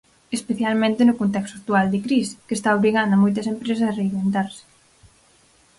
Especialmente no contexto actual de crise, que está obrigando a moitas empresas a reinventarse.